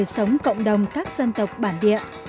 sống cộng đồng các dân tộc bản địa